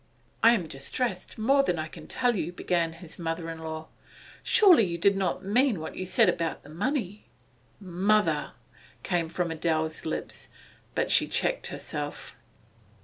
'I am distressed, more than I can tell you,' began his mother in law. 'Surely you did not mean what you said about the money ' 'Mother!' came from Adela's lips, but she checked herself.